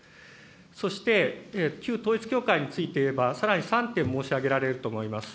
そして旧統一教会について言えば、さらに３点申し上げられると思います。